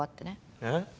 えっ？